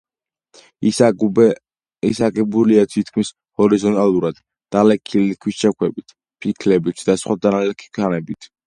ის აგებულია თითქმის ჰორიზონტალურად დალექილი ქვიშაქვებით, ფიქლებით და სხვა დანალექი ქანებით.